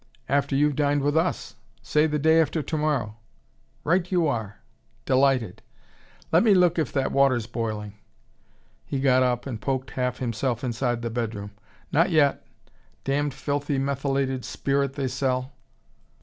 "After you've dined with us say the day after tomorrow." "Right you are. Delighted . Let me look if that water's boiling." He got up and poked half himself inside the bedroom. "Not yet. Damned filthy methylated spirit they sell."